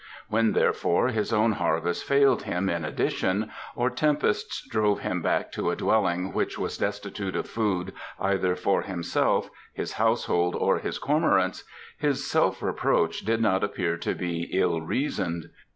When, therefore, his own harvest failed him in addition, or tempests drove him back to a dwelling which was destitute of food either for himself, his household, or his cormorants, his self reproach did not appear to be ill reasoned.